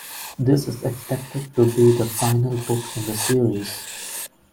This is expected to be the final book in the series.